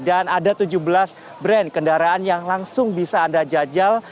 dan ada tujuh belas brand kendaraan yang langsung bisa anda jajal